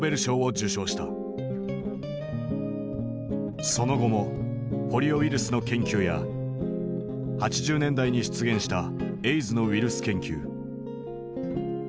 後にその後もポリオウイルスの研究や８０年代に出現したエイズのウイルス研究。